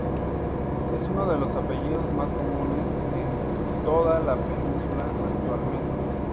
Es uno de los apellidos más comunes, en toda la península, actualmente.